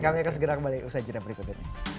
kami akan segera kembali usai cerita berikutnya